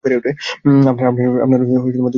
আপনারা দুজনেই কথা দিচ্ছেন?